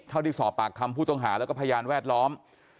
ที่สอบปากคำผู้ต้องหาแล้วก็พยานแวดล้อม